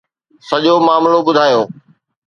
سڄو معاملو ٻڌايو.